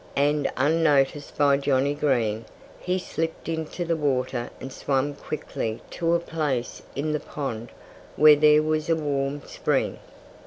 And unnoticed by Johnnie Green, he slipped into the water and swam quickly to a place in the pond where there was a warm spring.